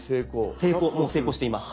もう成功しています。